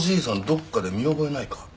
どっかで見覚えないか？